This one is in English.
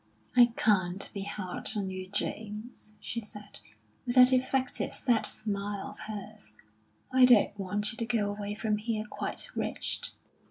"I can't be hard on you, Jamie," she said, with that effective, sad smile of hers. "I don't want you to go away from here quite wretched."